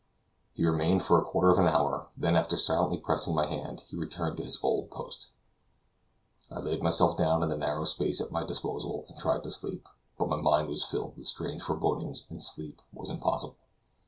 He remained for a quarter of an hour, then after silently pressing my hand, he returned to his old post. I laid myself down in the narrow space at my disposal, and tried to sleep; but my mind was filled with strange forebodings, and sleep was impossible.